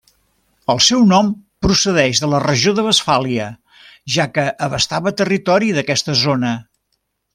El seu nom procedeix de la regió de Westfàlia, ja que abastava territori d'aquesta zona.